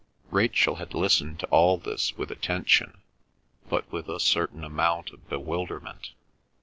Rachel had listened to all this with attention, but with a certain amount of bewilderment.